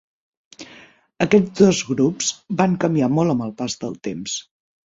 Aquests dos grups van canviar molt amb el pas del temps.